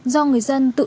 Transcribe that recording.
do người dân tự đổ